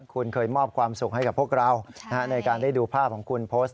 คุณเคยมอบความสุขให้กับพวกเราในการได้ดูภาพของคุณโพสต์